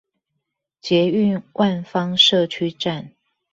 捷運萬芳社區站